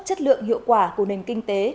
chất lượng hiệu quả của nền kinh tế